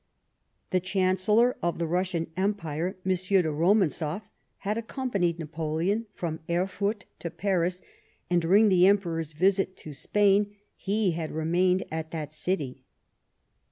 The Chancellor of the Russian Empire, M. de RomanzofF, had accompanied Napoleon from Erfurt to Paris, and during the Emperor's visit to Spain, he had remained at that city.